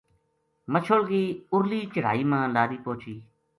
مچھل کی اُرلی چڑھائی ما لاری پوہچی